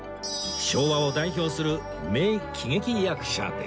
昭和を代表する名喜劇役者です